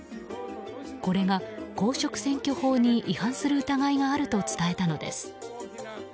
これが公職選挙法に違反する疑いがあると伝えたのです。